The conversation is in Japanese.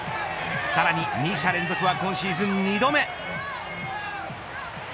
さらに二者連続は今シーズン２度目。